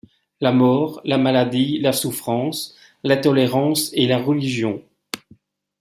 La mort, la maladie, la souffrance, l’intolérance et la religion.